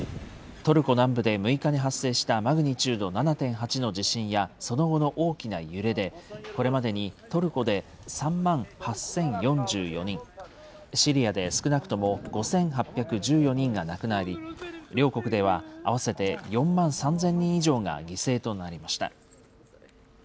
トルコ南部で６日に発生したマグニチュード７．８の地震や、その後の大きな揺れで、これまでにトルコで３万８０４４人、シリアで少なくとも５８１４人が亡くなり、両国では合わせて４万３０００人以上が犠牲となりました。